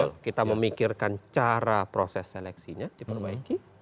betul kita memikirkan cara proses seleksinya diperbaiki